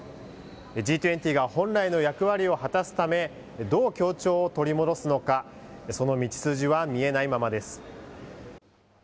Ｇ２０が本来の役割を果たすため、どう協調を取り戻すのか、その道筋は見えないままです。